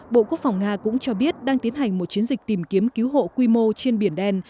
bộ quốc phòng nga cũng cho biết đang tiến hành một chiến dịch tìm kiếm cứu hộ quy mô trên biển đen